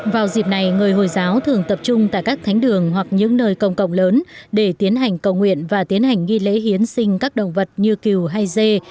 vào dịp này người hồi giáo thường tập trung tại các thánh đường hoặc những nơi công cộng lớn để tiến hành cầu nguyện và tiến hành nghi lễ hiến sinh các động vật như cừu hay dê